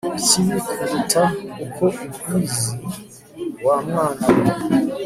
ikibi kuruta uko ubizi wa mwana we